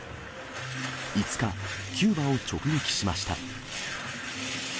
５日、キューバを直撃しました。